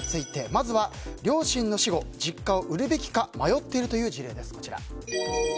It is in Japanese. まずは両親の死後実家を売るべきか迷っているという事例です。